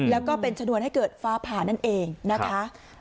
แล้วก็เป็นชนวนให้เกิดฟ้าผ่านั่นเองนะคะ